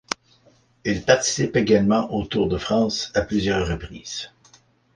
Il participe également au Tour de France à plusieurs reprises.